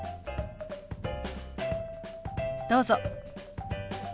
どうぞ。